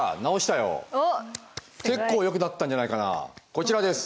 こちらです！